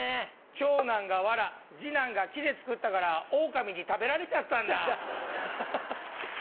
長男がワラ次男が木で造ったからオオカミに食べられちゃったんだ。